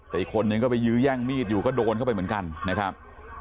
แต่อีกคนนึงก็ไปยื้อแย่งมีดอยู่ก็โดนเข้าไปเหมือนกันนะครับ